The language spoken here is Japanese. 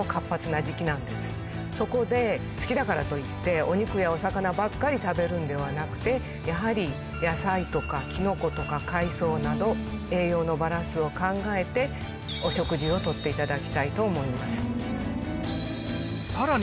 そこで好きだからといってお肉やお魚ばっかり食べるんではなくてやはり野菜とかきのことか海藻など栄養のバランスを考えてお食事を取っていただきたいと思います。